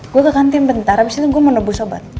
gua ke kantin bentar abis itu gua mau nebus obat